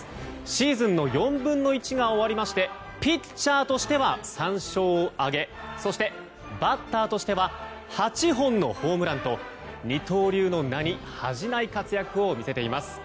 シーズンの４分の１が終わりましてピッチャーとしては３勝を挙げバッターとしては８本のホームランと二刀流の名に恥じない活躍を見せています。